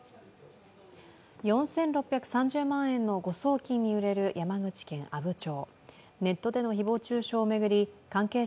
４６３０万円の誤送金に揺れる山口県阿武町。